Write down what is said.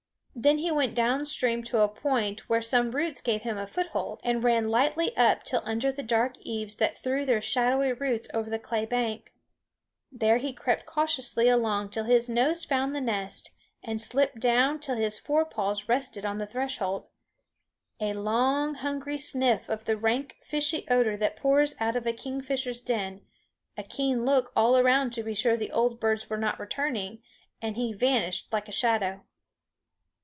Then he went down stream to a point where some roots gave him a foothold, and ran lightly up till under the dark eaves that threw their shadowy roots over the clay bank. There he crept cautiously along till his nose found the nest, and slipped down till his fore paws rested on the threshold. A long hungry sniff of the rank fishy odor that pours out of a kingfisher's den, a keen look all around to be sure the old birds were not returning, and he vanished like a shadow.